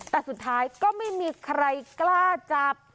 แต่สุดท้ายก็ไม่มีใครกล้าจับ